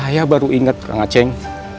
saya baru inget kang ceng